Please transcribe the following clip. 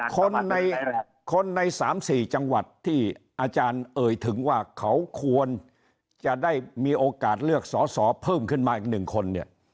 คนในคนใน๓๔จังหวัดที่อาจารย์เอ่ยถึงว่าเขาควรจะได้มีโอกาสเลือกสอสอเพิ่มขึ้นมาอีก๑คนเนี่ย